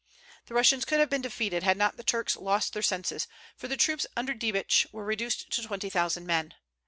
The Russians could have been defeated had not the Turks lost their senses, for the troops under Diebitsch were reduced to twenty thousand men.